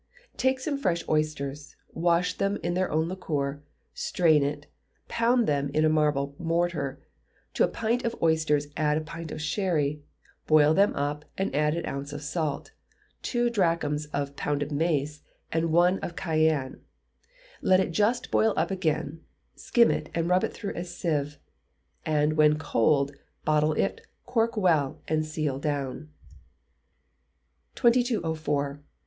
Take some fresh oysters; wash them in their own liquor, strain it, pound them in a marble mortar; to a pint of oysters add a pint of sherry; boil them up, and add an ounce of salt, two drachms of pounded mace, and one of cayenne; let it just boil up again, skim it, and rub it through a sieve; and when cold, bottle it, cork well, and seal it down. 2204.